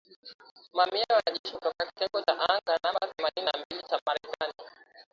Mamia ya wanajeshi kutoka kitengo cha anga namba themanini na mbili cha Marekani